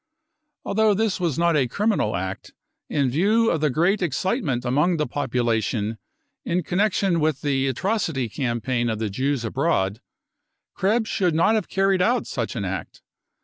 Although this was not a criminal act, in view of the great excite f ment' among the population in connection with the 288 BROWN BOOK OF THE HITLER TERROR atrocity campaign of the Jews abroad, Krebs should not have carried out such an act.